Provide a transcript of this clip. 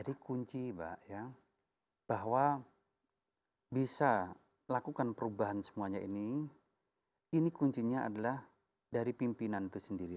kunci pak ya bahwa bisa lakukan perubahan semuanya ini ini kuncinya adalah dari pimpinan itu sendiri